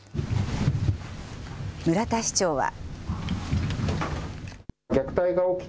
村田市長は。